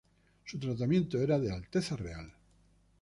Su tratamiento era de "Alteza Real".